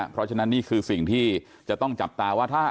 เพราะฉะนั้นนี่คือสิ่งที่จะต้องจับตาว่าถ้า